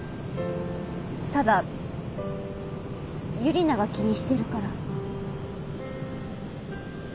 ただユリナが気にしてるから。